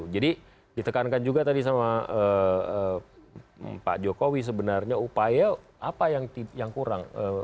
jadi ditekankan juga tadi sama pak jokowi sebenarnya upaya apa yang kurang